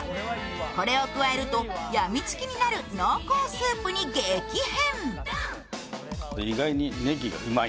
これを加えると病みつきになる濃厚スープに激変。